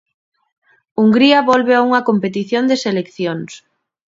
Hungría volve a unha competición de seleccións.